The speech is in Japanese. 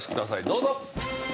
どうぞ。